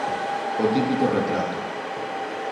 O típico retrato.